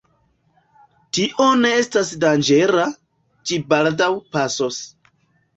Tio ne estas danĝera, ĝi baldaŭ pasos.